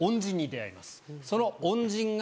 その恩人が。